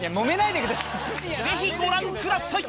ぜひご覧ください！